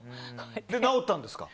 で、直ったんですか？